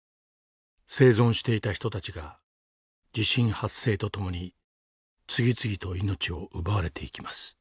生存していた人たちが地震発生とともに次々と命を奪われていきます。